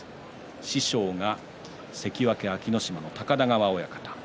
師匠が関脇安芸乃島の高田川親方。